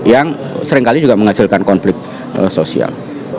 yang seringkali juga menghasilkan konflik sosial